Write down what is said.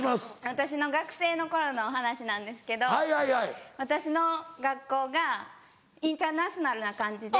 私の学生の頃のお話なんですけど私の学校がインターナショナルな感じで。